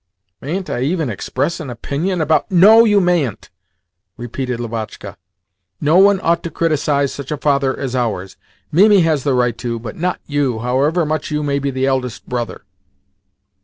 "Mayn't I even express an opinion about " "No, you mayn't!" repeated Lubotshka. "No one ought to criticise such a father as ours. Mimi has the right to, but not you, however much you may be the eldest brother."